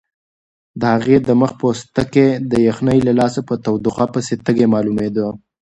د هغې د مخ پوستکی د یخنۍ له لاسه په تودوخه پسې تږی معلومېده.